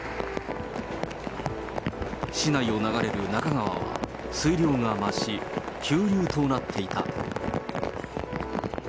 市内を流れる中川は、水量が増し、急流となっていた。